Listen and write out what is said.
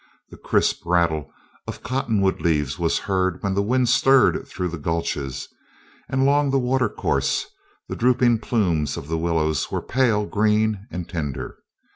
The crisp rattle of cottonwood leaves was heard when the wind stirred through the gulches, and along the water course the drooping plumes of the willows were pale green and tender.